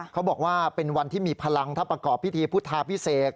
เขาบอกว่าเป็นวันที่มีพลังถ้าประกอบพิธีพุทธาพิเศษ